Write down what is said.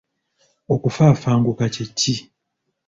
Okufafanguka kye ki?